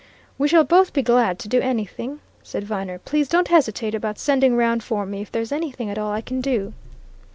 "We shall both be glad to do anything," said Viner. "Please don't hesitate about sending round for me if there's anything at all I can do."